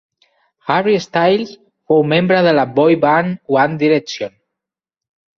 Harry Styles fou membre de la boy band One Direction.